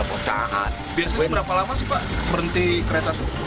biasanya berapa lama sih pak berhenti kereta